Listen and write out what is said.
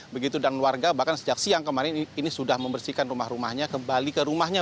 begitu dan warga bahkan sejak siang kemarin ini sudah membersihkan rumah rumahnya kembali ke rumahnya